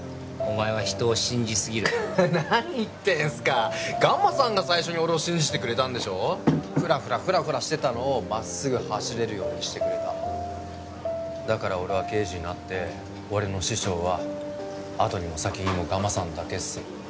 お前は人を信じすぎる何言ってんすかガマさんが最初に俺を信じてくれたんでしょフラフラフラフラしてたのをまっすぐ走れるようにしてくれただから俺は刑事になって俺の師匠は後にも先にもガマさんだけっすよ